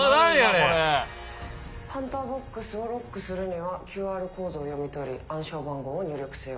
ハンターボックスをロックするにはＱＲコードを読み取り暗証番号を入力せよ。